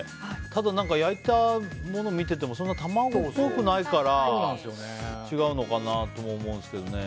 ただ、焼いたものを見ててもそんなに卵っぽくないから違うのかなとも思うんですけどね。